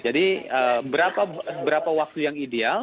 jadi berapa waktu yang ideal